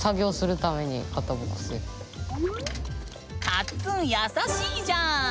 カッツン優しいじゃん！